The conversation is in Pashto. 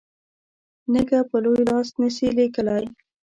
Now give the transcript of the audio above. نږه په لوی لاس نه سي لیکلای.